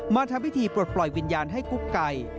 ทำพิธีปลดปล่อยวิญญาณให้กุ๊กไก่